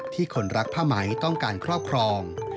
คนรักผ้าไหมต้องการครอบครอง